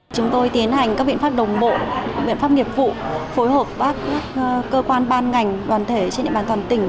chúng tôi tiến hành các biện pháp đồng bộ biện pháp nghiệp vụ phối hợp với các cơ quan ban ngành đoàn thể trên địa bàn toàn tỉnh